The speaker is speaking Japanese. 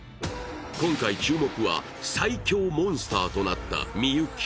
今回注目は最恐モンスターとなった美雪。